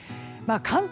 関東